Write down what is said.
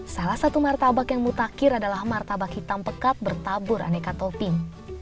salah satu martabak yang mutakkir adalah martabak hitam pekat bertabur aneka topping